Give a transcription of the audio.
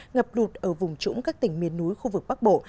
ngập lụt ở vùng trũng các tỉnh miền núi khu vực bắc bộ